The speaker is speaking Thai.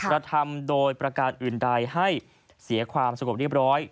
กระทำโดยประการอื่นใดให้เสียความสงบเรียบร้อย